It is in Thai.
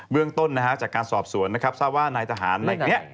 เมื่องต้นจากการสอบสวนทราบว่านายทหารแบบนี้